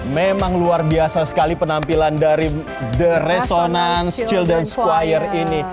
memang luar biasa sekali penampilan dari the resonance childen schoir ini